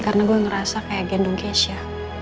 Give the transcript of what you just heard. karena gue ngerasa kayak gendong kesia